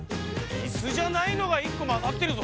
イスじゃないのがいっこまざってるぞ。